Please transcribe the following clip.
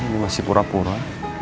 ini masih pura pura